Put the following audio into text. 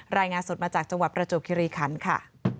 รายงานสดมาจากจังหวัดประจวบคิริคันค่ะ